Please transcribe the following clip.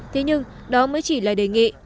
thế nhưng đó mới chỉ là đề nghị